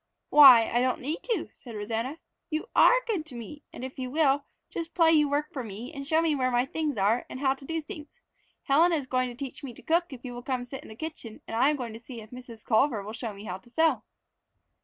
"Why, I don't need to," said Rosanna. "You are good to me, and if you will, just play you work for me and show me where my things are and how to do things. Helen is going to teach me to cook if you will come sit in the kitchen and I am going to see if Mrs. Culver will show me how to sew."